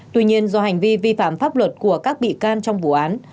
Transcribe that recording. tuy nhiên do hành vi vi phạm pháp luật của các bị can trong vụ án